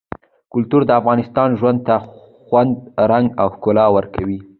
کلتور د انسان ژوند ته خوند ، رنګ او ښکلا ورکوي -